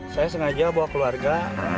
saya sengaja bawa keluarga